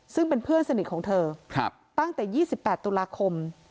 ซึ่งเป็นเพื่อนสนิทของเธอครับตั้งแต่ยี่สิบแปดตุลาคม